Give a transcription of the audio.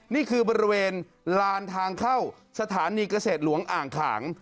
นี่คือบริเวณลานทางเข้าสถานีเกษตรหลวงอ่างขาง